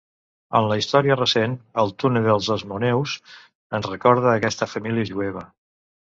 En la història recent, el Túnel dels Asmoneus ens recorda aquesta família jueva.